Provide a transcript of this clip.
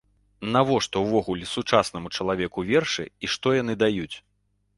Навошта ўвогуле сучаснаму чалавеку вершы і што яны даюць?